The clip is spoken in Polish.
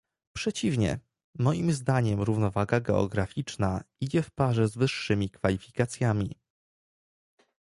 Przeciwnie, moim zdaniem równowaga geograficzna idzie w parze z wyższymi kwalifikacjami